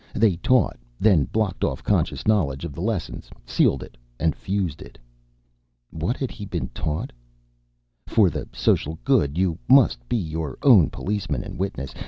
They taught, then blocked off conscious knowledge of the lessons, sealed it and fused it. What had he been taught? _For the social good, you must be your own policeman and witness.